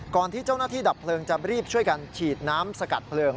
ที่เจ้าหน้าที่ดับเพลิงจะรีบช่วยกันฉีดน้ำสกัดเพลิง